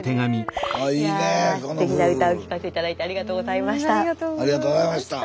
すてきな歌をお聴かせ頂いてありがとうございました。